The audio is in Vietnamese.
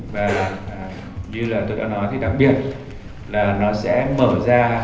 và như là tôi đã nói thì đáng biết là nó sẽ mở ra